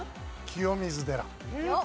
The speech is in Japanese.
清水寺。